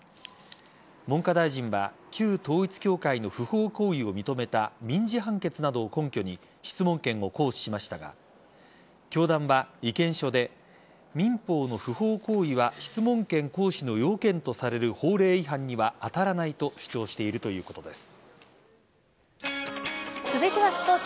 文科大臣は旧統一教会の不法行為を認めた民事判決などを根拠に質問権を行使しましたが教団は意見書で民法の不法行為は質問権行使の要件とされる法令違反には当たらないと続いてはスポーツ。